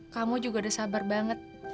kamu juga udah sabar banget